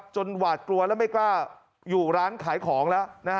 หวาดกลัวและไม่กล้าอยู่ร้านขายของแล้ว